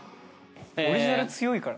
オリジナル強いから。